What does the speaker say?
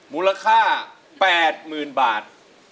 มูลค่าแปดหมื่นบาท